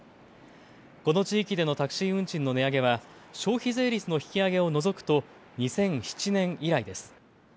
この地域でのタクシー運賃の値上げは消費税率の引き上げを除くと２００７年以来です。